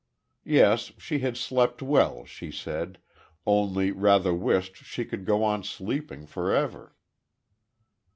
Yes, she had slept well she said only rather wished she could go on sleeping for ever.